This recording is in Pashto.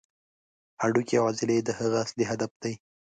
هډوکي او عضلې د هغې اصلي هدف دي.